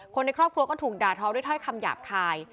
คนในครอบครัวก็ถูกด่าท้อด้วยถ้อยคำหยาบคาย